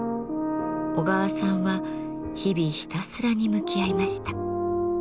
小川さんは日々ひたすらに向き合いました。